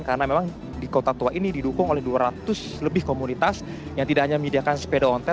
karena memang di kota tua ini didukung oleh dua ratus lebih komunitas yang tidak hanya menyediakan sepeda ontel